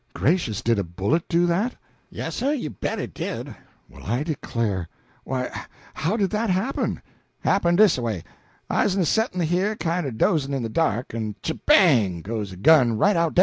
"Gracious! did a bullet do that?" "Yassir, you bet it did!" "Well, I declare! Why, how did that happen?" "Happened dis away. I 'uz a sett'n' here kinder dozin' in de dark, en che bang! goes a gun, right out dah.